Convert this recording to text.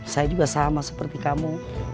saya juga sama seperti kamu